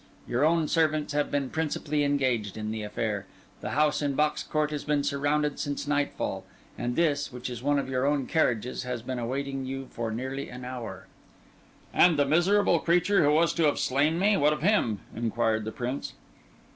Your own servants have been principally engaged in the affair. The house in Box Court has been surrounded since nightfall, and this, which is one of your own carriages, has been awaiting you for nearly an hour." "And the miserable creature who was to have slain me—what of him?" inquired the Prince.